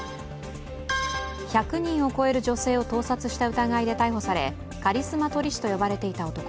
１００人を超える女性を盗撮した疑いで逮捕されカリスマ撮り師と呼ばれていた男。